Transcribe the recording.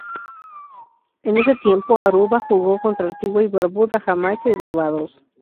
En ese tiempo, Aruba jugó contra Antigua y Barbuda, Jamaica y Barbados.